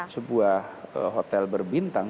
sebuah hotel berbintang